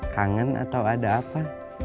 kangen atau ada apa